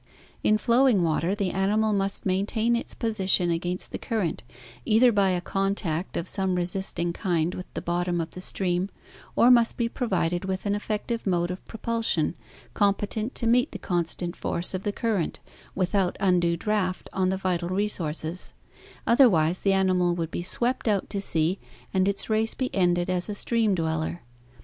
In flowing water, the animal must maintain its posi tion against the current either by a contact of some resisting kind with the bottom of the stream, or must be provided with an effec tive mode of propulsion competent to meet the constant force of the current without undue draft on the vital resources; otherwise the animal would be swept out to sea and its race be ended as a stream dweller.